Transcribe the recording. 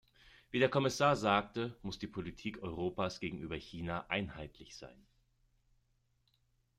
Wie der Kommissar sagte, muss die Politik Europas gegenüber China einheitlich sein.